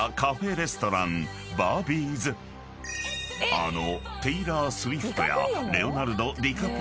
［あの］